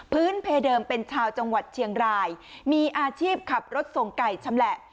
เพเดิมเป็นชาวจังหวัดเชียงรายมีอาชีพขับรถส่งไก่ชำแหละ